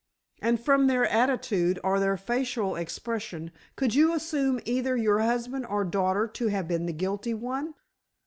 "And from their attitude or their facial expression could you assume either your husband or daughter to have been the guilty one?"